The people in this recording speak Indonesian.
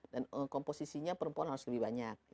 dan komposisinya perempuan harus lebih banyak